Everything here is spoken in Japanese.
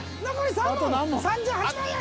３８万円。